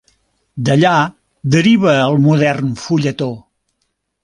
D'allà deriva el modern fulletó.